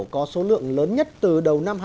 có số lượng lớn nhất từ đầu năm